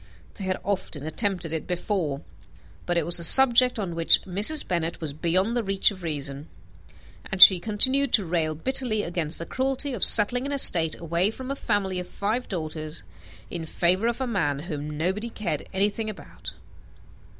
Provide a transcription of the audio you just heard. They had often attempted it before: but it was a subject on which Mrs. Bennet was beyond the reach of reason; and she continued to rail bitterly against the cruelty of settling an estate away from a family of five daughters, in favour of a man whom nobody cared anything about.